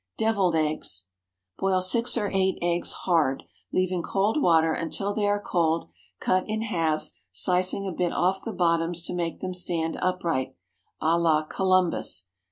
DEVILLED EGGS. Boil six or eight eggs hard; leave in cold water until they are cold; cut in halves, slicing a bit off the bottoms to make them stand upright, à la Columbus.